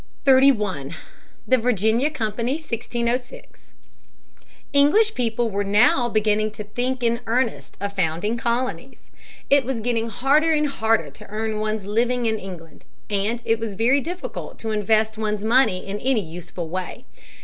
] [Sidenote: The Virginia Company.] 31. The Virginia Company, 1606. English people were now beginning to think in earnest of founding colonies. It was getting harder and harder to earn one's living in England, and it was very difficult to invest one's money in any useful way.